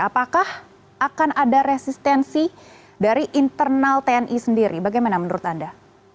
apakah akan ada resistensi dari internal tni sendiri bagaimana menurut anda